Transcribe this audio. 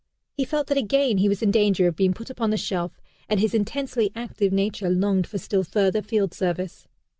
He felt that again he was in danger of being put upon the shelf, and his intensely active nature longed for still further field service.